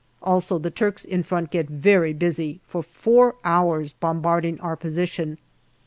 Also the Turks in front get very busy, for four hours bombarding our position.